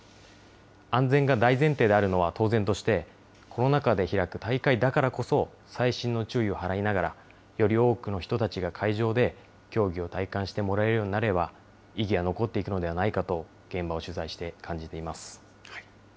安全が大前提であるのは当然として、コロナ禍で開く大会だからこそ、細心の注意を払いながら、より多くの人たちが会場で競技を体感してもらえるようになれば、意義は残っていくのではないかと現場を取材して感じています。